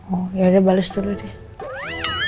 oh yaudah bales dulu deh